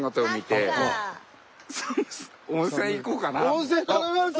温泉頼みます！